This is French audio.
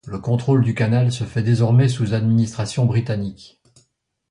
Le contrôle du canal se fait désormais sous administration britannique.